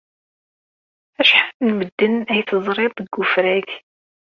Acḥal n medden ay teẓrid deg wefrag?